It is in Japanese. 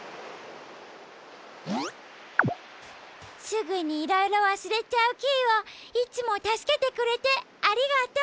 すぐにいろいろわすれちゃうキイをいつもたすけてくれてありがとう。